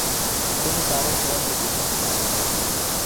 তিনি তারও সভাপতি হয়েছিলেন ।